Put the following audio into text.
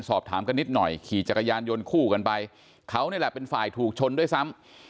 สอบถามกันนิดหน่อยขี่จักรยานยนต์คู่กันไปเขานี่แหละเป็นฝ่ายถูกชนด้วยซ้ำ